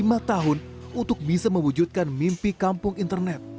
selama lima tahun untuk bisa mewujudkan mimpi kampung internet